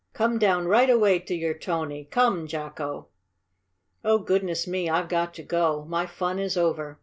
Come down right away to your Tony! Come, Jacko!" "Oh, goodness me! I've got to go. My fun is over!